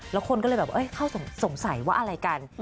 แล้วคนก็เลยแบบเข้าสงสัยว่าอะไรกัน